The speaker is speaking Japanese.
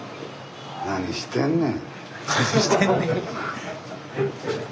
何してんねん。